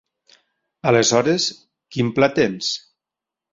Aleshores, quin pla tens?